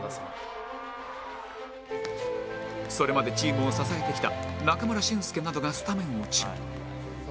それまでチームを支えてきた中村俊輔などがスタメン落ち